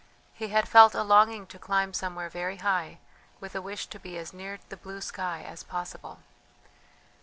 He had felt a longing to climb somewhere very high, with a wish to be as near the blue sky as possible.